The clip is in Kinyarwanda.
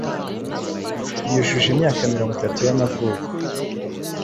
yujuje imyaka mirongo itatu y’amavuko,